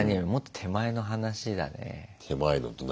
手前のって何？